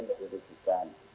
rumah sakit ini